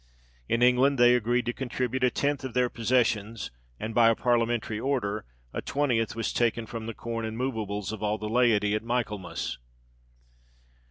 In England, they agreed to contribute a tenth of their possessions; and by a parliamentary order, a twentieth was taken from the corn and movables of all the laity at Michaelmas.